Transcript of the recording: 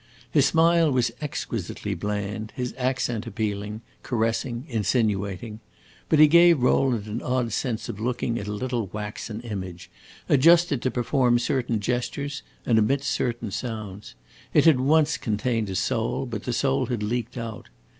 His smile was exquisitely bland, his accent appealing, caressing, insinuating. But he gave Rowland an odd sense of looking at a little waxen image, adjusted to perform certain gestures and emit certain sounds. It had once contained a soul, but the soul had leaked out.